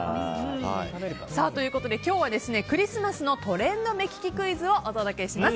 今日はクリスマスのトレンド目利きクイズをお届けします。